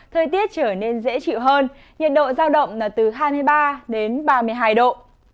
thời tiết trở nên dễ chịu hơn nhiệt độ giao động là từ hai mươi ba đến ba mươi hai độ